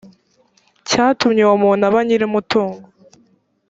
cyatumye uwo muntu aba nyir umutungo